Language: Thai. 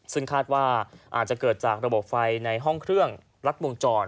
ซึ่งคาดว่าอาจจะเกิดจากระบบไฟในห้องเครื่องรัดวงจร